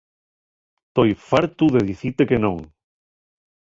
Toi fartu de dicite que non.